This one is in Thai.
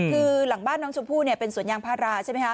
คือหลังบ้านน้องชมพู่เนี่ยเป็นสวนยางพาราใช่ไหมคะ